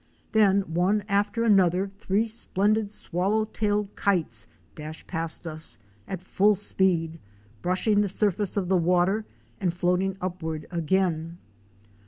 Then, one after another, three splendid Swallow tailed Kites* dash past us at full speed, brushing the surface of the water and floating upward again.